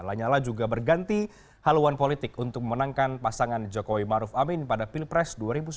lanyala juga berganti haluan politik untuk memenangkan pasangan jokowi maruf amin pada pilpres dua ribu sembilan belas